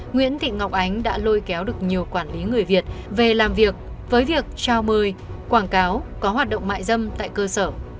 nguyễn thị ngọc ánh đã lôi kéo được nhiều quản lý người việt về làm việc với việc trao mời quảng cáo có hoạt động mại dâm tại cơ sở